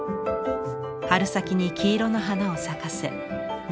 春先に黄色の花を咲かせ南